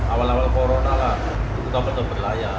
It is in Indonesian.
awal awal corona lah kru kapal tidak berlayar